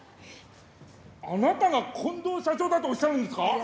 あなたが近藤社長だとおっしゃるんですか？